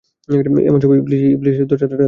এমন সময় ইবলীস এসে দরজা ধাক্কা দেয়।